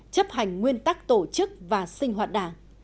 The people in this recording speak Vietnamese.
chấp hành nguyên tắc tổ chức và sinh hoạt đảng